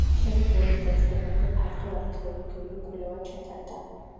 მშენებლობის დაწყებამდე ფართო არქეოლოგიური კვლევა ჩატარდა.